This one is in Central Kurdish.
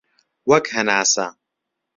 وەک هەناسە